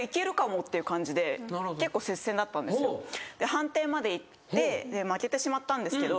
判定までいって負けてしまったんですけど